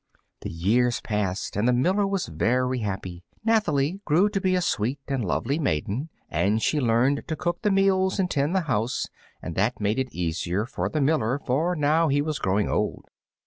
The years passed by and the miller was very happy. Nathalie grew to be a sweet and lovely maiden, and she learned to cook the meals and tend the house, and that made it easier for the miller, for now he was growing old.